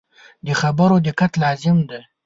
د خبرو دقت لازم دی.